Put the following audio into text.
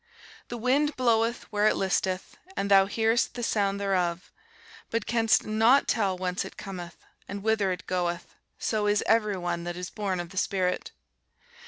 The wind bloweth where it listeth, and thou hearest the sound thereof, but canst not tell whence it cometh, and whither it goeth: so is every one that is born of the Spirit.